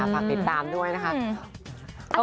ฝากติดตามด้วยนะคะ